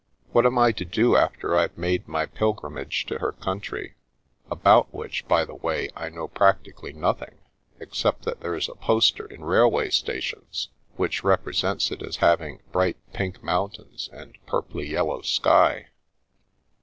What am I to do after I've made my pilgrimage to her country — ^about which, by the > 99 In Search of a Mule S7 way, I know practically nothing except that there's a poster in railway stations which represents it as having bright pink mountains and a purply yellow sky?'